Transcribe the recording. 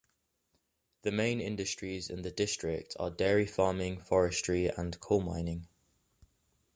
The main industries in the district are dairy farming, forestry, and coal mining.